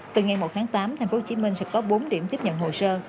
từ ngày một tháng tám tp hcm sẽ có bốn điểm tiếp nhận hồ sơ